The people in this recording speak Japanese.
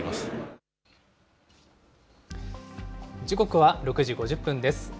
時刻は６時５０分です。